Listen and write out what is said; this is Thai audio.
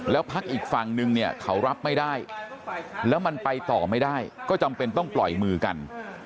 แล้วพักอีกฝั่งนึงเนี่ยเขารับไม่ได้แล้วมันไปต่อไม่ได้ก็จำเป็นต้องปล่อยมือกัน